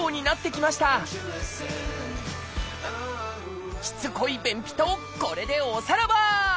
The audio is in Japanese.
しつこい便秘とこれでおさらば！